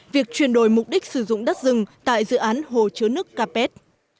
việc chuyển đổi mục đích sử dụng đất rừng tại dự án hồ chứa nước capet